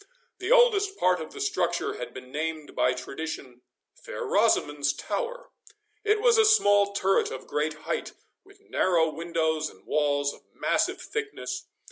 The oldest part of the structure had been named by tradition Fair Rosamond's Tower; it was a small turret of great height, with narrow windows, and walls of massive thickness.